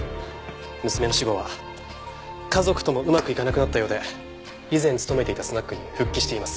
娘の死後は家族ともうまくいかなくなったようで以前勤めていたスナックに復帰しています。